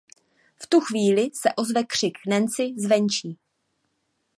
V tu chvíli se ozve křik Nancy zvenčí.